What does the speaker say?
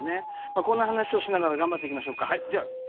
こんな話をしながら頑張っていきましょう。